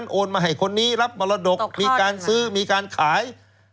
โอนมาให้คนนี้รับมรดกมีการซื้อมีการขาย